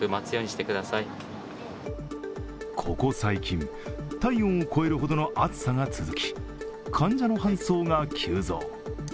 ここ最近、体温を超えるほどの暑さが続き患者の搬送が急増。